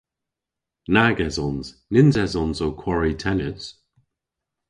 Nag esons. Nyns esons ow kwari tennis.